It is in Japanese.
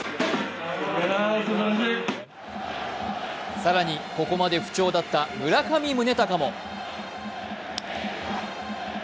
更に、ここまで不調だった村上宗隆も。